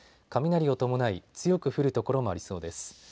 雷を伴い強く降る所もありそうです。